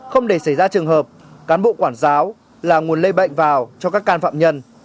không để xảy ra trường hợp cán bộ quản giáo là nguồn lây bệnh vào cho các can phạm nhân